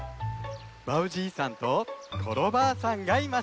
バウじいさんとコロばあさんがいました。